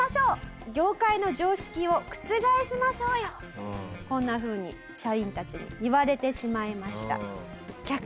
こんなふうに社員たちに言われてしまいました。